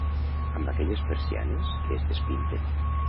Amb aquelles persianes que es despinten